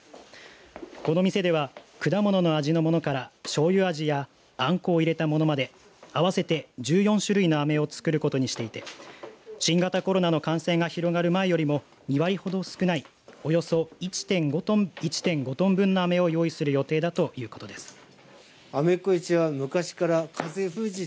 この店では、果物の味のものからしょうゆ味があんこを入れたものまで合わせて１４種類のアメを作ることにしていて新型コロナの感染が広がる前よりも２割ほど少ないおよそ１．５トン分のアメを用意する予定だということです。